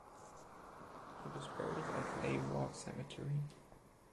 He was buried at Lae War Cemetery.